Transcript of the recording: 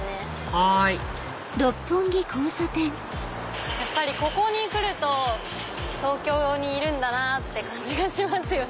はいやっぱりここに来ると東京にいるんだなって感じがしますよね。